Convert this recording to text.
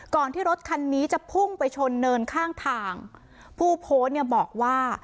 ที่รถคันนี้จะพุ่งไปชนเนินข้างทางผู้โพสต์เนี่ยบอกว่า